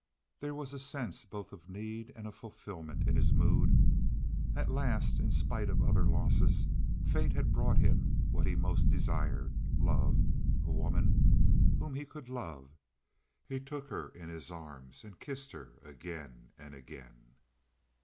There was a sense both of need and of fulfilment in his mood. At last, in spite of other losses, fate had brought him what he most desired—love, a woman whom he could love. He took her in his arms, and kissed her again and again.